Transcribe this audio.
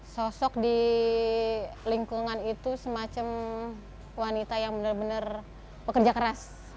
sosok di lingkungan itu semacam wanita yang benar benar pekerja keras